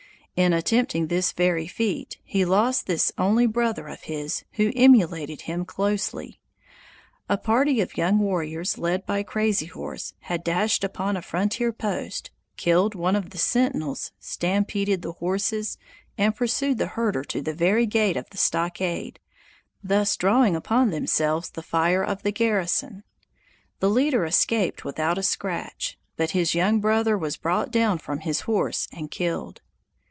In attempting this very feat, he lost this only brother of his, who emulated him closely. A party of young warriors, led by Crazy Horse, had dashed upon a frontier post, killed one of the sentinels, stampeded the horses, and pursued the herder to the very gate of the stockade, thus drawing upon themselves the fire of the garrison. The leader escaped without a scratch, but his young brother was brought down from his horse and killed.